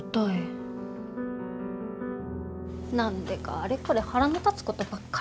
何でかあれこれ腹の立つことばっかりさ。